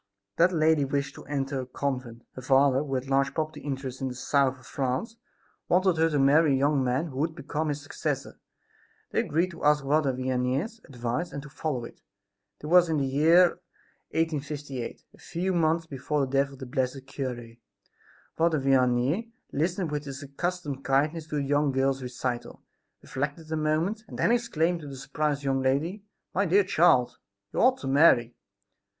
That lady wished to enter a convent. Her father, who had large property interests in the South of France, wanted her to marry a young man who would become his successor. They agreed to ask Father Vianney's advice and to follow it. This was in the year 1858, a few months before the death of the blessed cure. Father Vianney listened with his accustomed kindness to the young girl's recital, reflected a moment and then exclaimed to the surprised young lady: "My dear child, you ought to marry!"